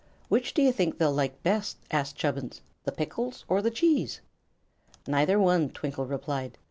"Which do you think they'd like best," asked Chubbins, "the pickles or the cheese?" "Neither one," Twinkle replied.